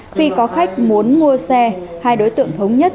khi có khách muốn mua xe hai đối tượng thống nhất